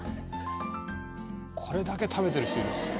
「これだけ食べてる人いるっつって」